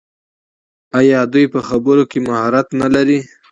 آیا دوی په خبرو کې مهارت نلري؟